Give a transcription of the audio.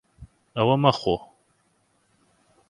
ئەوە مەخۆ.